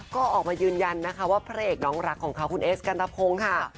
ก็ออกมายืนยันนะคะว่าพระเอกน้องรักของเขาคุณเอสกันตะพงศ์ค่ะ